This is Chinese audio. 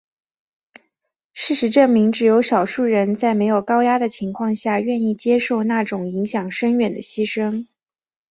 事实证明只有少数人在没有高压的情况下愿意接受那种影响深远的牺牲。